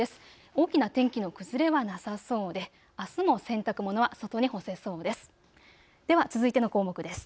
大きな天気の崩れはなさそうであすも洗濯物は外に干せそうです。